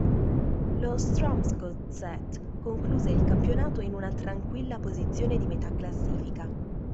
Lo Strømsgodset concluse il campionato in una tranquilla posizione di metà classifica.